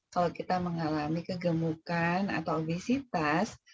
kalau kita mengalami kegemukan atau obesitas